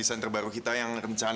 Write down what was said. sorry banget ya